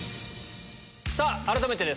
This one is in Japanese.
さあ、改めてです。